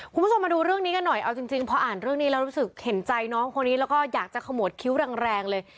คุณผู้ชมมาดูเรื่องนี้กันหน่อยเอาจริงพออ่านเรื่องนี้แล้วรู้สึกเห็นใจน้องคนนี้แล้วก็อยากจะขมวดคิ้วแรงเลย